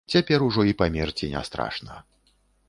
Цяпер ужо і памерці не страшна.